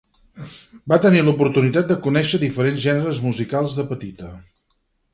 Va tenir l'oportunitat de conèixer diferents gèneres musicals de petita.